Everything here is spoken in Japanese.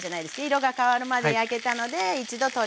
色が変わるまで焼けたので一度取り出します。